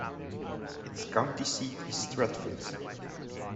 Its county seat is Stratford.